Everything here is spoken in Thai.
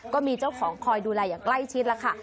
ก็มีเจ้าของคอยดูแลอย่างใกล้ชิดแล้วค่ะ